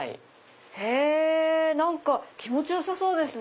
何か気持ちよさそうですね。